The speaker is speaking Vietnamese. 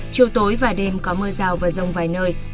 chiều tối và đêm có mưa rào và rông vài nơi